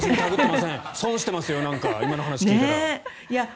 損してますよ、なんか今の話を聞いたら。